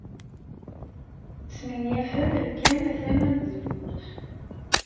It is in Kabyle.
Tesmenyafem amkan tama n tzewwut.